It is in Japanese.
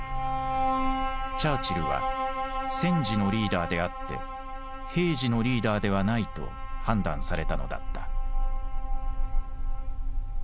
チャーチルは戦時のリーダーであって平時のリーダーではないと判断されたのだった。